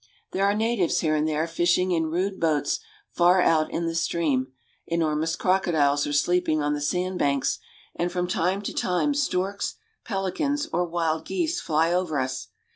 There are natives here and there fishing in rude boats far out in the stream, enormous crocodiles are sleep ing on the sand banks, and from time to time storks, pelicans, or wild geese fly over us.